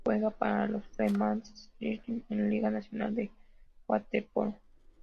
Juega para los Fremantle Marlins en la Liga Nacional de Waterpolo.